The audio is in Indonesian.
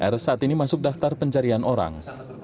r saat ini masuk daftar pencarian orang